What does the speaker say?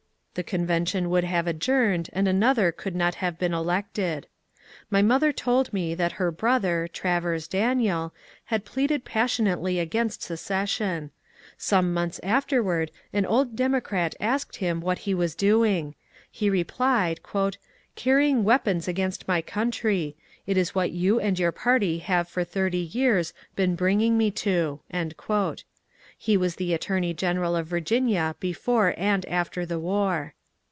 The con vention would have adjourned and another could not have been elected. My another told me that her brother, Travers Daniel, had pleaded passionately against secession. Some months afterward an old Democrat asked him what he was doing ; he replied, ^' Carrying weapons against my country : it is what you and your party have for thirty years been bring ing me to." He was the attorney general of Virginia before and after the war.